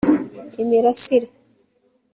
imirasire